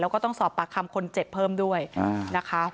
แล้วก็ต้องสอบปากคำคนเจ็บเพิ่มด้วยนะคะ